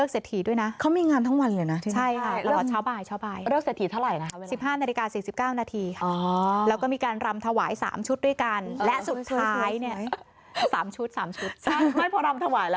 สามชุดสามชุดใช่ไม่พอรำถวายแล้ว